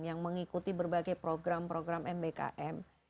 yang mengikuti berbagai program program mbkm